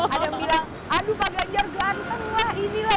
ada yang bilang aduh pak ganjar ganteng lah inilah